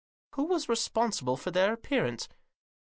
" Who was responsible for their appearance